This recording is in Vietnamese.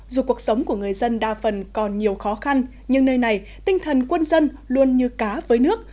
dù cuộc sống của người dân đa phần còn nhiều khó khăn nhưng nơi này tinh thần quân dân luôn như cá với nước